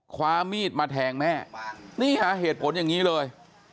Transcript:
คว้ามีดมาแทงแม่นี่ฮะเหตุผลอย่างนี้เลย